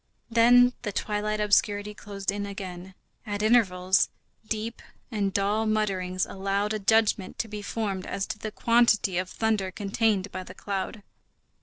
Then the twilight obscurity closed in again. At intervals, deep and dull mutterings allowed a judgment to be formed as to the quantity of thunder contained by the cloud.